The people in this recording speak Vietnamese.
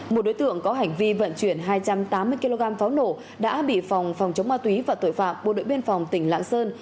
một đối tượng có hành vi vận chuyển hai trăm tám mươi kg pháo nổ đã bị phòng phòng chống ma túy và tội phạm bộ đội biên phòng tỉnh lạng sơn